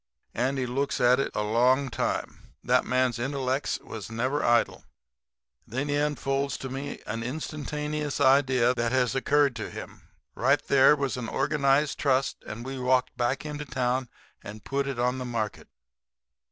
Andy looks at it a long time. That man's intellects was never idle. And then he unfolds to me a instantaneous idea that has occurred to him. Right there was organized a trust; and we walked back into town and put it on the market.